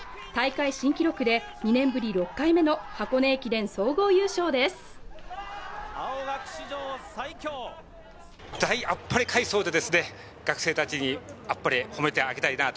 大会新記録で２年ぶり６回目の箱根駅伝・総合優勝です。